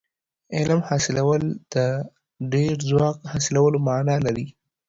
علم حاصلول د ډېر ځواک حاصلولو معنا لري.